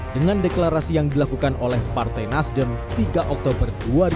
dengan deklarasi yang dilakukan oleh partai nasdem tiga oktober dua ribu dua puluh